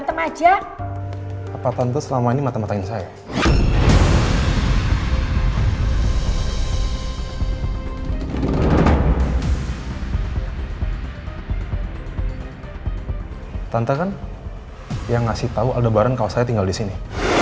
tante kan yang ngasih tau aldebaran kawas saya tinggal disini